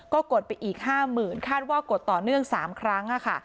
ก็กดไปอีกห้าหมื่นคาดว่ากดต่อเนื่องสามครั้งอะค่ะ